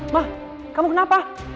mah kamu kenapa